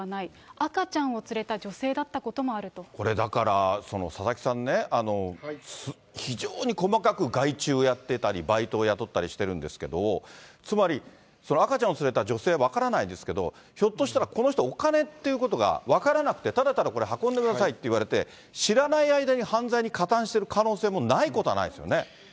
赤ちゃんを連れた女性だったことこれ、だから佐々木さんね、非常に細かく外注をやってたり、バイトを雇ったりしてるんですけど、つまり、赤ちゃんを連れた女性分からないですけど、ひょっとしたら、この人はお金ってことが分からなくて、ただただこれ運んでくださいって言われて、知らない間に犯罪に加担してる可能性もないことはないですよね。